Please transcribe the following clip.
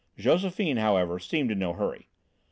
Josephine, however, seemed in no hurry.